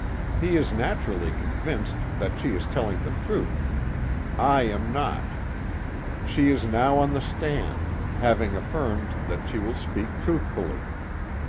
He is naturally convinced that she is telling the truth. I am not. She is now on the stand, having affirmed that she will speak truthfully.